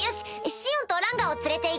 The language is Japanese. シオンとランガを連れて行く！